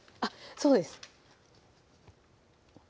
そうです